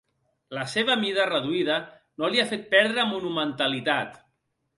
La seva mida reduïda no li ha fet perdre monumentalitat.